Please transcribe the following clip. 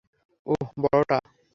উহ, বড়টা।